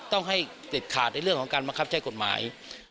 ต้องให้เด็ดขาดในเรื่องของการบังคับใช้กฎหมาย